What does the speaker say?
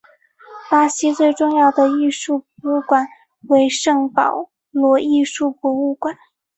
巴西最重要的艺术博物馆为圣保罗艺术博物馆。